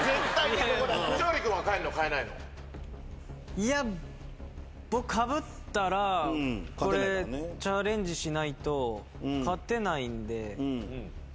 いやかぶったらチャレンジしないと勝てないんで。